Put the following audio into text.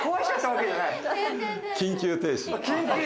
緊急停止。